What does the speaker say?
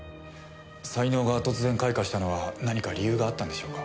才能が突然開花したのは何か理由があったんでしょうか？